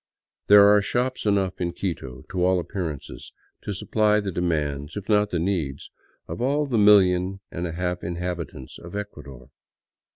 There are shops enough in Quito, to all appearances, to supply the demands, if not the needs, of all the million and a half inhabitants of Ecuador.